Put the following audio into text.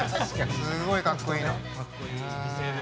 すごいかっこいいの。